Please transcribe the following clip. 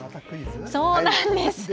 そうなんです。